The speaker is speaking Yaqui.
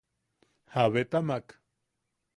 –¿Jabetamak?